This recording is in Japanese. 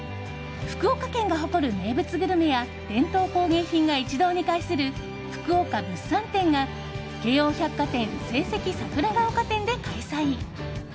福岡県が誇る名物グルメや伝統工芸品が一堂に会する福岡物産展が京王百貨店聖蹟桜ヶ丘店で開催。